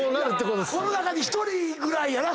この中で１人ぐらい。